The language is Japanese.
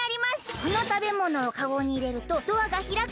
「このたべものをカゴにいれるとドアがひらく」